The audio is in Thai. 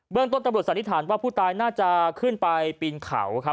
เรื่องต้นตำรวจสันนิษฐานว่าผู้ตายน่าจะขึ้นไปปีนเขาครับ